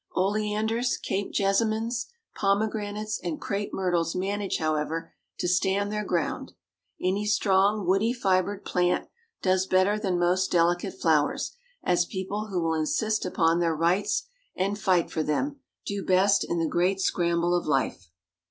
Oleanders, cape jessamines, pomegranates, and crape myrtles manage, however, to stand their ground. Any strong, woody fibred plant does better than more delicate flowers; as people who will insist upon their rights, and fight for them, do best in the great scramble of life.